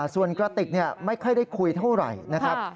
ส่วนกระติกไม่ค่อยได้คุยเท่าไหร่นะครับ